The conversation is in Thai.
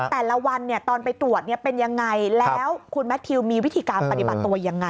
แต่ละวันตอนไปตรวจเป็นยังไงแล้วคุณแมททิวมีวิธีการปฏิบัติตัวยังไง